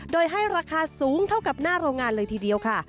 โดยให้ราคาสูงเท่ากับหน้าโรงงานเลยทีเดียวค่ะ